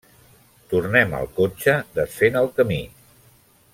Tornem al cotxe desfent el camí.